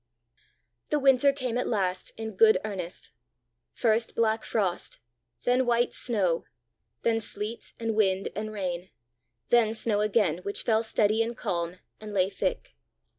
The winter came at last in good earnest first black frost, then white snow, then sleet and wind and rain; then snow again, which fell steady and calm, and lay thick.